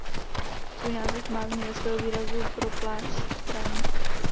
Svůj název má z německého výrazu pro pláž Strand.